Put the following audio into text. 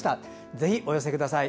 ぜひお寄せください。